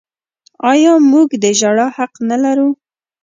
آیا موږ د ژړا حق نلرو؟